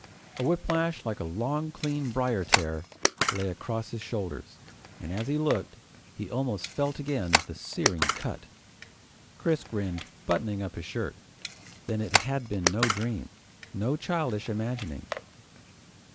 A whiplash like a long clean briar tear lay across his shoulders, and as he looked, he almost felt again the searing cut. Chris grinned, buttoning up his shirt. Then it had been no dream, no childish imagining.